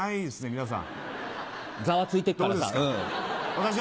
皆さん。